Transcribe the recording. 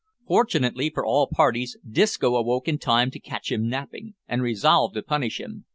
Fortunately for all parties, Disco awoke in time to catch him napping, and resolved to punish him.